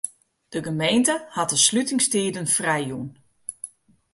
De gemeente hat de slutingstiden frijjûn.